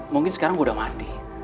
mungkin sekarang udah mati